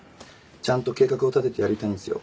ちゃんと計画を立ててやりたいんすよ。